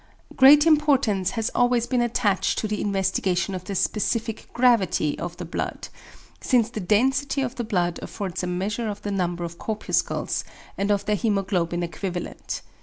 Great importance has always been attached to the investigation of the SPECIFIC GRAVITY of the blood; since the density of the blood affords a measure of the number of corpuscles, and of their hæmoglobin equivalent.